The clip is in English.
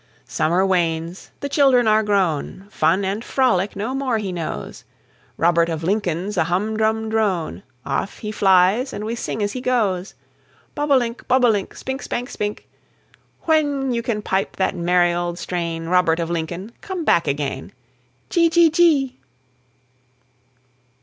Summer wanes; the children are grown; Fun and frolic no more he knows; Robert of Lincoln's a hum drum drone; Off he flies, and we sing as he goes, Bob o' link, bob o' link, Spink, spank, spink, When you can pipe that merry old strain, Robert of Lincoln, come back again. Chee, chee, chee.